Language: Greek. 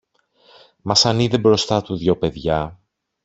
Μα σαν είδε μπροστά του δυο παιδιά